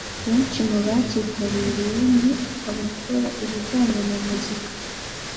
Benshi mu bacyitabiriye ni abakora ibijyanye na muzika